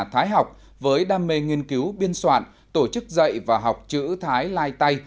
thái học với đam mê nghiên cứu biên soạn tổ chức dạy và học chữ thái lai tay